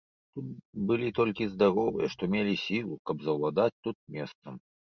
Тут былі толькі здаровыя, што мелі сілу, каб заўладаць тут месцам.